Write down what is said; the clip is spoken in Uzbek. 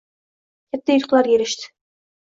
katta yutuqlarga erishdi